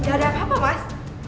ada apa apa mas